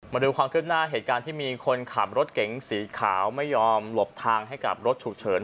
มาดูความคืบหน้าเหตุการณ์ที่มีคนขับรถเก๋งสีขาวไม่ยอมหลบทางให้กับรถฉุกเฉิน